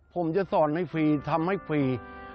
ผมจะสอนให้ฟรีทำให้ฟรี